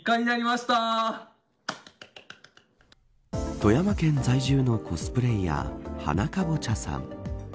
富山県在住のコスプレイヤー８７かぼちゃさん。